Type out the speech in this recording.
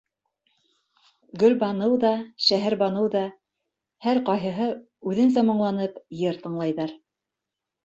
Гөлбаныу ҙа, Шәһәрбаныу ҙа, һәр ҡайһыһы үҙенсә моңланып, йыр тыңлайҙар.